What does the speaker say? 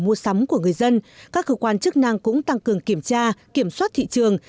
mua sắm của người dân các cơ quan chức năng cũng tăng cường kiểm tra kiểm soát thị trường